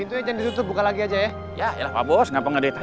oh enggak pak bos enggak